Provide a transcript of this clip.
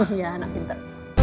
iya anak pinter